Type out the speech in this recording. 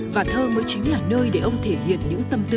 và thơ mới chính là nơi để ông thể hiện những tâm tư